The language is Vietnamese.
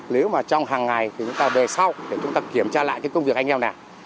nếu mà trong hàng ngày chúng ta về sau để chúng ta kiểm tra lại công việc anh em nào